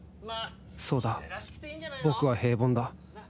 そうだ僕は平凡だ